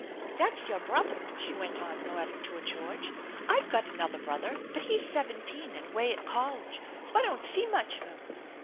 " That's your brother," she went on, nodding toward George. " I've got another brother, but he's seventeen and away at college, so I don't see much of him.